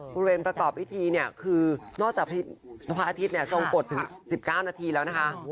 ประกอบพิธีเนี่ยคือนอกจากพระอาทิตย์ทรงกฎถึง๑๙นาทีแล้วนะคะ